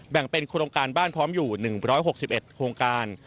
แบ่งเป็นโครงการบ้านพร้อมอยู่๑๖๑โครงการ